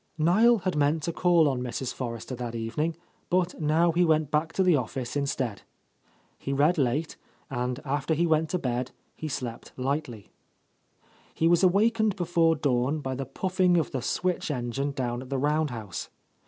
Niel had meant to call on Mrs. Forrester that evening, but now he went back to the office instead. He read late, and after he went to bed, he slept lightly. He was awakened before dawn by the puffing of the switch engine down at the round house.